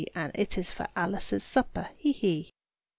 And it is for Alice's supper, he! he!"